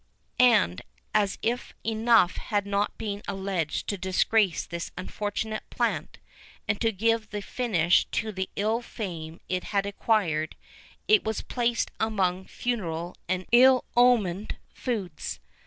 And, as if enough had not been alleged to disgrace this unfortunate plant, and to give the finish to the ill fame it had acquired, it was placed amongst funereal and ill omened foods.